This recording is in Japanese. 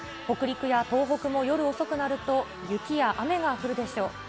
北陸や東北も夜遅くなると雪や雨が降るでしょう。